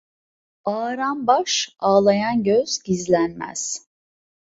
Ağaran baş, ağlayan göz gizlenmez.